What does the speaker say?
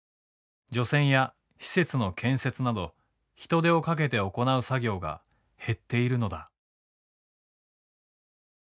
除染や施設の建設など人手をかけて行う作業が減っているのだ。